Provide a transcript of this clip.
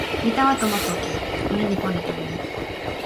mi tawa tomo toki. ona li pona tawa mi.